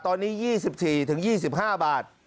ตอนนี้๒๔๒๕บาท